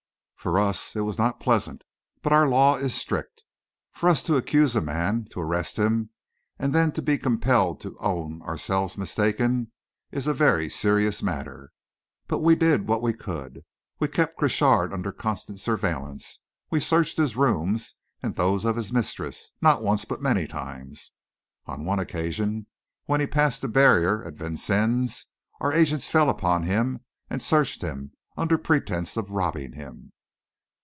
For us, it was not pleasant; but our law is strict. For us to accuse a man, to arrest him, and then to be compelled to own ourselves mistaken, is a very serious matter. But we did what we could. We kept Crochard under constant surveillance; we searched his rooms and those of his mistress not once but many times. On one occasion, when he passed the barrier at Vincennes, our agents fell upon him and searched him, under pretence of robbing him.